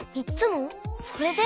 それで？